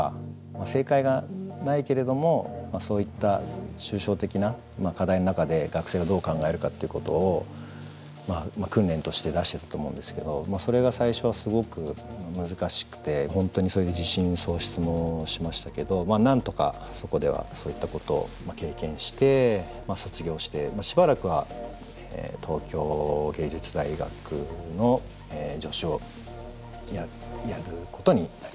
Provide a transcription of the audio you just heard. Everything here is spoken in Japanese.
正解がないけれどもそういった抽象的な課題の中で学生がどう考えるかっていうことを訓練として出してたと思うんですけどそれが最初はすごく難しくて本当にそれで自信喪失もしましたけどまあなんとかそこではそういったことを経験して卒業してしばらくは東京藝術大学の助手をやることになりました。